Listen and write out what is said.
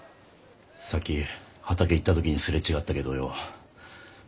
さっき畑行った時に擦れ違ったけどよ